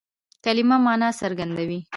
کلیمه مانا څرګندوي.